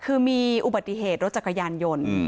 คือมีอุบัติเหตุรถจักรยานยนต์